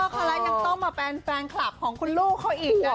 ก็ต้องมาเป็นแฟนคลับของคุณลูกเขาอีกกว่า